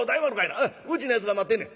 うちのやつが待ってんねん。